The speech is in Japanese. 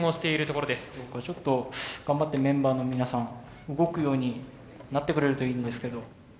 ちょっと頑張ってメンバーの皆さん動くようになってくれるといいんですけど。